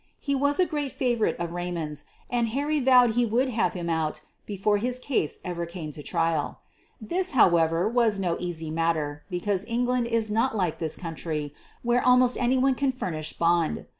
He was a great favor ite of Raymond's and Harry vowed he would have him out before his case ever came to trial. This, however, was no easy matter, because England is not like this country, where almost anyone can furnish bond.